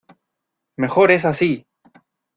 ¡ mejor es así!...